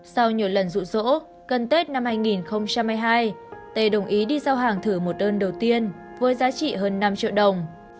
sau nhiều lần rụ rỗ gần tết năm hai nghìn hai mươi hai tê đồng ý đi giao hàng thử một đơn đầu tiên với giá trị hơn năm triệu đồng